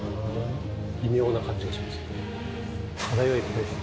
微妙な感じがします。